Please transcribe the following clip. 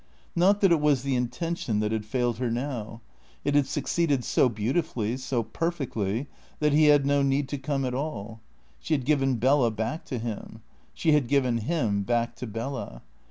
Not that it was the intention that had failed her now. It had succeeded so beautifully, so perfectly, that he had no need to come at all. She had given Bella back to him. She had given him back to Bella.